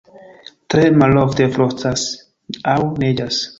Tre malofte frostas aŭ neĝas.